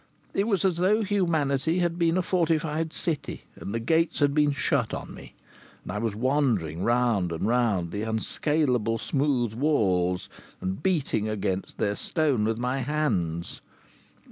It was as though humanity had been a fortified city and the gates had been shut on me, and I was wandering round and round the unscalable smooth walls, and beating against their stone with my hands.